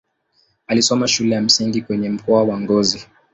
Alisoma shule ya msingi kwenye mkoa wa Ngozi.